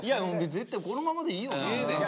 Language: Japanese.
絶対このままでいいよな。